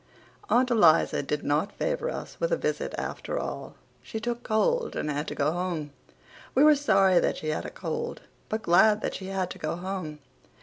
Aunt Eliza did not favour us with a visit after all. She took cold and had to go home. We were sorry that she had a cold but glad that she had to go home.